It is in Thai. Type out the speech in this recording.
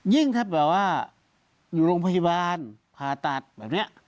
ถ้าแบบว่าอยู่โรงพยาบาลผ่าตัดแบบนี้